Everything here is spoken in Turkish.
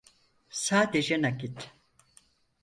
Sadece nakit.